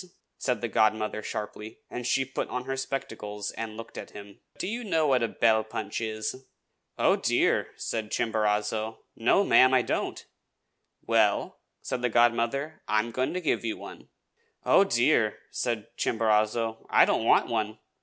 said the godmother sharply; and she put on her spectacles and looked at him. "Do you know what a bell punch is?" "Oh, dear!" said Chimborazo. "No, ma'am, I don't!" "Well," said the godmother, "I am going to give you one." "Oh, dear!" said Chimborazo, "I don't want one."